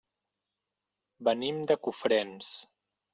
Venim de Cofrents.